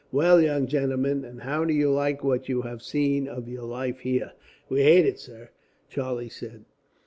"Well, young gentlemen, and how do you like what you have seen of your life here?" "We hate it, sir," Charlie said.